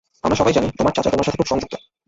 আমরা সবাই জানি, তোমার চাচা তোমার সাথে খুব সংযুক্ত।